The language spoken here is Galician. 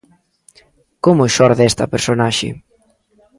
Como xorde esta personaxe?